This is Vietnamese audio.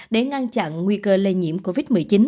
để ngăn chặn nguy cơ lây nhiễm covid một mươi chín